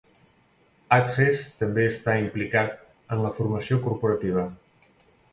Access també està implicat en la formació corporativa.